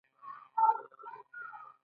آیا دوی له خلکو مالیه نه راټولوي؟